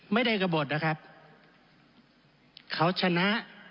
ไม่ได้กระบดนะครับเขาชนะ